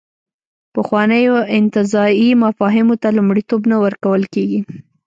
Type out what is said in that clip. پخوانیو انتزاعي مفاهیمو ته لومړیتوب نه ورکول کېږي.